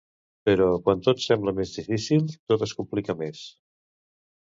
Però quan tot sembla més difícil, tot es complica més.